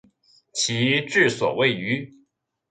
其治所位于。